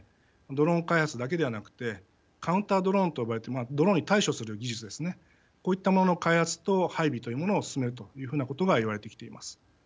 ドローン開発だけではなくてカウンタードローンと呼ばれているドローンに対処する技術ですねこういったものの開発と配備というものを進めるというふうなことがいわれてきています。